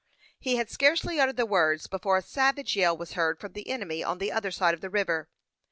He had scarcely uttered the words before a savage yell was heard from the enemy on the other side of the river.